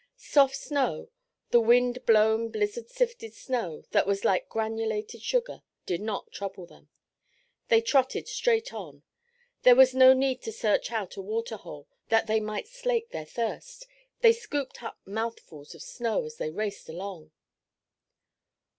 Soft snow—the wind blown, blizzard sifted snow that was like granulated sugar—did not trouble them. They trotted straight on. There was no need to search out a water hole that they might slake their thirst; they scooped up mouthfuls of snow as they raced along.